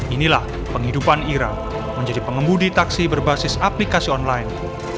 inilah penghidupan ira menjadi pengemudi taksi berbasis aplikasi online